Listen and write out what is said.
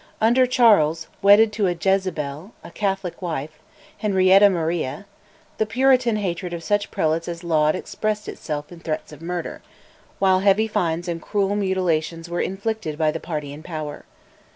Under Charles, wedded to a "Jezebel," a Catholic wife, Henrietta Maria, the Puritan hatred of such prelates as Laud expressed itself in threats of murder; while heavy fines and cruel mutilations were inflicted by the party in power.